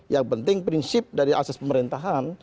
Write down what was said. yang penting prinsip dari asas pemerintahan